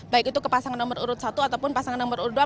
baik itu ke pasangan nomor urut satu ataupun pasangan nomor urut dua